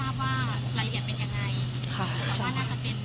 เพราะว่าน่าจะเป็นมีการทำลายร่างกายน้อง